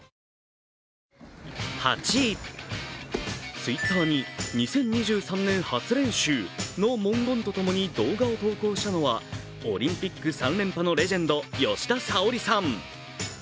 Ｔｗｉｔｔｅｒに２０２３年初練習の文言とともに動画を投稿したのはオリンピック３連覇のレジェンド・吉田沙保里さん。